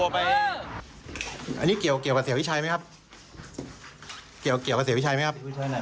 พยายามฆ่าไหมครับ